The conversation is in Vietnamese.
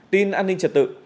tin an ninh trật tự